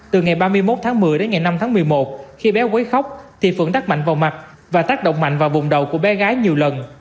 từ ngày ba mươi một tháng một mươi đến ngày năm tháng một mươi một khi bé quấy khóc thì phượng đắt mạnh vào mặt và tác động mạnh vào vùng đầu của bé gái nhiều lần